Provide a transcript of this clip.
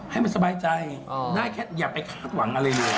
ให้มันสบายใจได้แค่อย่าไปคาดหวังอะไรเลย